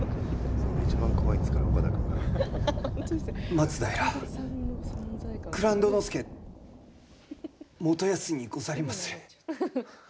松平蔵人佐元康にござりまする。